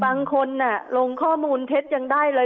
บางคนลงข้อมูลเท็จยังได้เลย